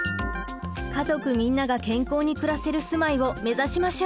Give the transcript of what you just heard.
家族みんなが健康に暮らせる住まいを目指しましょう。